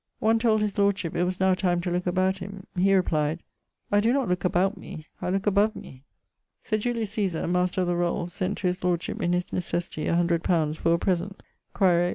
One told his Lordship it was now time to looke about him. He replyed, 'I doe not looke about me, I looke above me.' Sir Julius Cæsar (Master of the Rolles) sent to his lordship in his necessity a hundred pounds for a present[XIV.